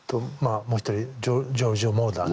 もう一人ジョルジオ・モロダーね。